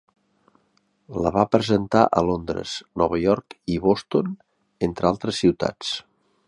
La va presentar a Londres, Nova York i Boston, entre altres ciutats.